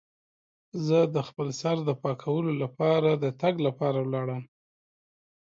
زه د خپل سر د پاکولو لپاره د تګ لپاره لاړم.